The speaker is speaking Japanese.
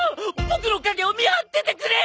僕の影を見張っててくれ！